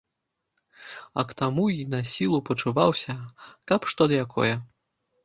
А к таму й на сілу пачуваўся, каб што якое.